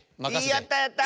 やったやった！